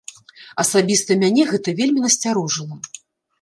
Асабіста мяне гэта вельмі насцярожыла.